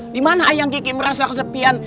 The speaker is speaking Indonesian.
dimana ayam kiki merasa kesepian